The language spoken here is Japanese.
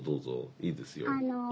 いいですよ。